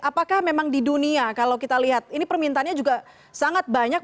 apakah memang di dunia kalau kita lihat ini permintaannya juga sangat banyak